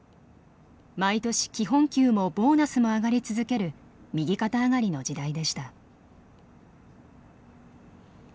毎年基本給もボーナスも上がり続ける右肩上がりの時代でした。